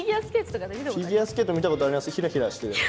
フィギュアスケート見たことあります。